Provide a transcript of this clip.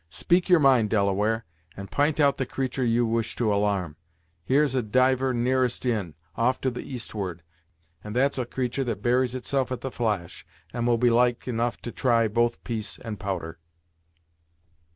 Speak your mind, Delaware, and p'int out the creatur' you wish to alarm. Here's a diver nearest in, off to the eastward, and that's a creatur' that buries itself at the flash, and will be like enough to try both piece and powder."